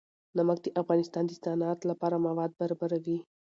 نمک د افغانستان د صنعت لپاره مواد برابروي.